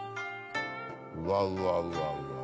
うわうわうわうわ。